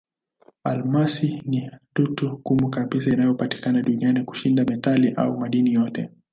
Almasi ni dutu ngumu kabisa inayopatikana duniani kushinda metali au madini yote.